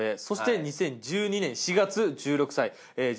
そして２０１２年４月１６歳